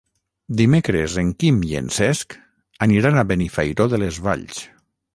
Dimecres en Quim i en Cesc aniran a Benifairó de les Valls.